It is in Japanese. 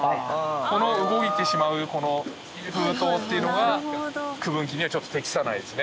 この動いてしまう封筒っていうのが区分機にはちょっと適さないですね。